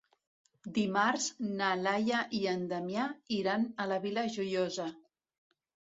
Dimarts na Laia i en Damià iran a la Vila Joiosa.